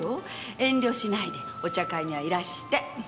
遠慮しないでお茶会にはいらして。